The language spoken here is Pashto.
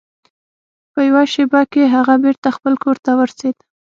په یوه شیبه کې هغه بیرته خپل کور ته ورسید.